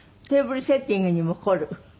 テーブルセッティングにも凝る？